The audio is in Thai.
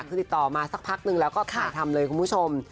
คือติดต่อมาสักพักนึงแล้วก็ถ่ายทำเลยคุณผู้ชม